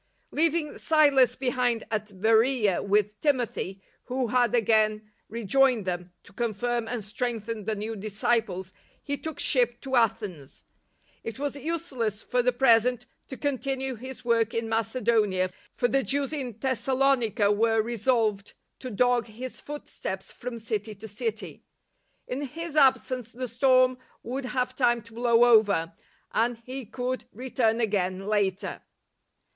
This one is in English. Leaving Silas behind at Beroea with Timothy, who had again rejoined them, to confirm and strengthen the new disciples, he took ship to Athens. It was useless for the present to continue his work in Macedonia, for the Jews in Thessalonica were resolved to dog his footsteps from city to city. In his absence the storm would have time to blow over, and he could return again later.